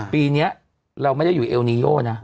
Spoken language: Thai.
ปีนี้เราไม่ได้อยู่เอลนิโยนะ